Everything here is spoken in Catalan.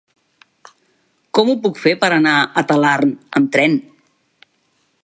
Com ho puc fer per anar a Talarn amb tren?